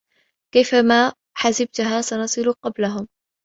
كيفما حسبتها، سنصل قبلهم.